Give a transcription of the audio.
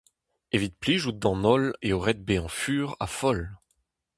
Evit plijout d'an holl eo ret bezañ fur ha foll.